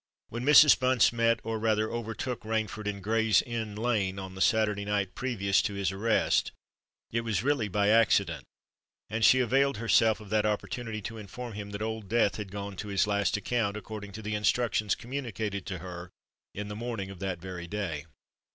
When Mrs. Bunce met, or rather overtook Rainford in Gray's Inn Lane on the Saturday night previous to his arrest, it was really by accident; and she availed herself of that opportunity to inform him that Old Death had gone to his last account, according to the instructions communicated to her in the morning of that very day.